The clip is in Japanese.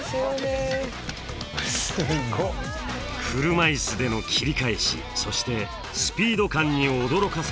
車いすでの切り返しそしてスピード感に驚かされる制作チーム。